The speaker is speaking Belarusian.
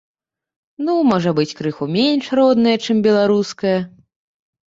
Ну, можа быць, крыху менш родная, чым беларуская.